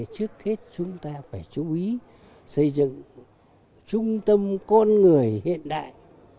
trước hết chúng ta phải chú ý xây dựng trung tâm con người hiện đại